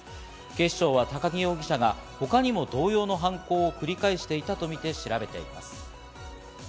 警視庁は都木容疑者が他にも同様の犯行を繰り返していたとみて調べています。